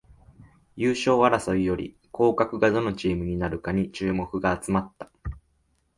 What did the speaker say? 優勝争いより降格がどのチームになるかに注目が集まった